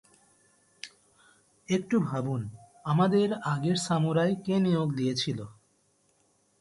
একটু ভাবুন, আমাদের আগের সামুরাই কে নিয়োগ দিয়েছিল?